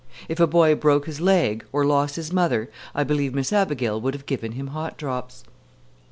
If a boy broke his leg, or lost his mother, I believe Miss Abigail would have given him hot drops.